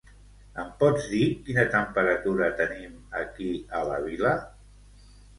Em pots dir quina temperatura tenim aquí a la vila?